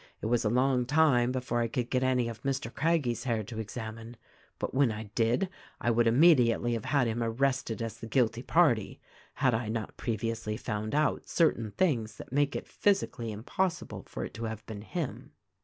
It was a long time before I could get any of Mr. Craggie's hair to examine ; but when I did I would immediately have had him arrested as the 223 224 THE RECORDING AXGEL guilty party had I not previously found out certain things that make it physically impossible for it to have been him.